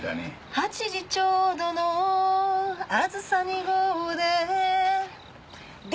「８時ちょうどのあずさ２号で」